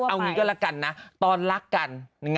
เอาอย่างนี้ก็ละกันนะตอนรักกัน